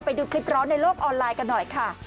ไปดูคลิปร้อนในโลกออนไลน์กันหน่อยค่ะ